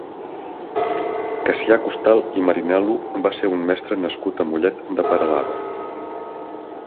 Cassià Costal i Marinel·lo va ser un mestre nascut a Mollet de Peralada.